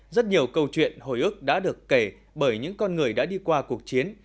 rất nhiều câu chuyện hồi ức đã được kể bởi những con người đã đi qua cuộc chiến